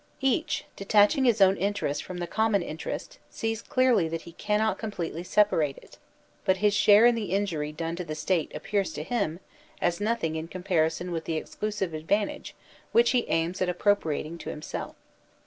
Each, detaching his own interest from the common interest, sees clearly that he cannot com pletely separate it; but his share in the injury done to the State appears to him as nothing in comparison with the exclusive advantage which he aims at appropriating to himself.